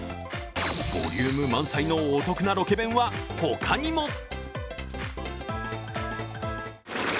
ボリューム満載のお得なロケ弁は、ほかにも。